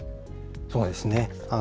そうですね。